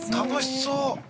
楽しそう。